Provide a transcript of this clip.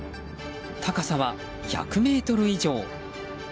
高さは１００ｍ以上。